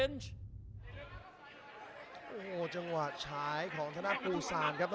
เดินหน้าเสียบเข่าจนรุ่นพี่ในตัวนี้โยนเลยครับแต่